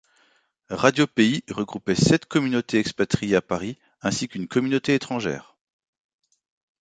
Radio Pays regroupait sept communautés expatriées à Paris ainsi qu'une communauté étrangère.